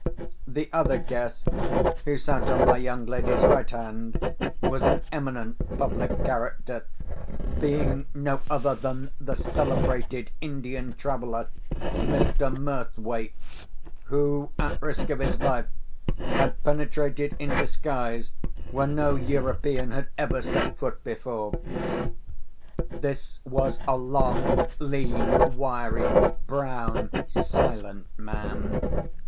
The other guest, who sat on my young lady's right hand, was an eminent public character—being no other than the celebrated Indian traveller, Mr. Murthwaite, who, at risk of his life, had penetrated in disguise where no European had ever set foot before. This was a long, lean, wiry, brown, silent man.